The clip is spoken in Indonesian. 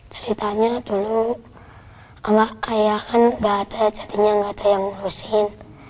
ceritanya dulu ayah kan gak ada jadinya gak ada yang urusin